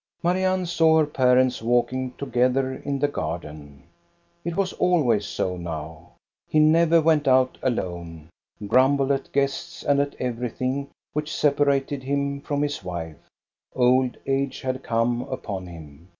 Marianne saw her parents walking together in the garden. It was always so now. He never went out alone, grumbled at guests and at everything which separated him from his wife. Old age had come upon him.